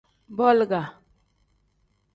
Boliga.